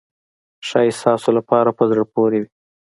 ښایي ستاسو لپاره په زړه پورې وي.